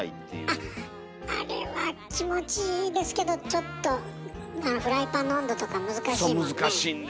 あっあれは気持ちいいですけどちょっとフライパンの温度とか難しいもんね。